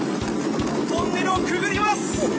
トンネルをくぐります。